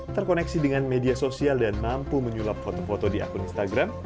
terkoneksi dengan media sosial dan mampu menyulap foto foto di akun instagram